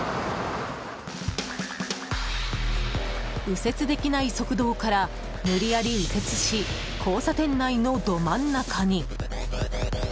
右折できない側道から無理やり右折し交差点内のど真ん中に。